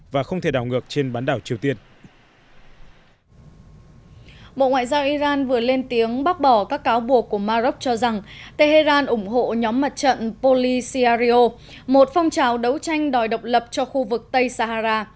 bộ ngoại giao iran vừa lên tiếng bác bỏ các cáo buộc của maroc cho rằng tehran ủng hộ nhóm mặt trận poly siario một phong trào đấu tranh đòi độc lập cho khu vực tây sahara